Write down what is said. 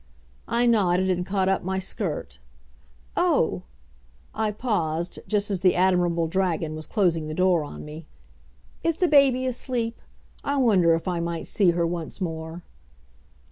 I nodded and caught up my skirt. "Oh!" I paused just as the admirable dragon was closing the door on me. "Is the baby asleep? I wonder if I might see her once more."